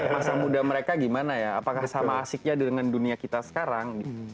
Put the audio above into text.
masa muda mereka gimana ya apakah sama asiknya dengan dunia kita sekarang